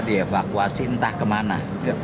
dievakuasi entah kemana